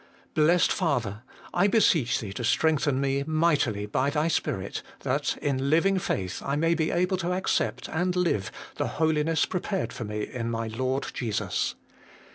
Blessed Father ! I beseech Thee to strengthen me mightily by Thy Spirit, that in living faith I may HOLINESS AND CRUCIFIXION. 157 be able to accept and live the holiness prepared for me in my Lord Jesus.